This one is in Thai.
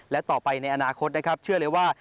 และต่อไปในอนาคตนะครับเชื่อเลยว่า